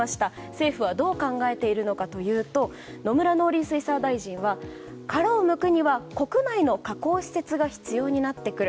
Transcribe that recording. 政府はどう考えているのかというと野村農林水産大臣は殻をむくには国内の加工施設が必要になってくる。